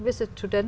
và đài loan